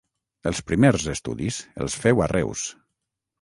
Els primers estudis els féu a Reus.